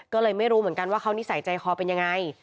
ก็เลยไม่รู้เหมือนกันว่าเขานิสัยใจคอเป็นยังไง